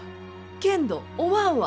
けんどおまんは。